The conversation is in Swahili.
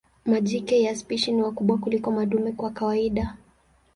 Majike ya spishi ni wakubwa kuliko madume kwa kawaida.